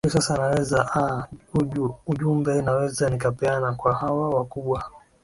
hiyo sasa naweza aa uju ujumbe naweza nikapeana kwa hawa wakubwa